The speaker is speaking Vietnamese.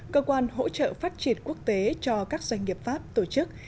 cơ quan hỗ trợ phát triển quốc tế cho các doanh nghiệp pháp tổ chức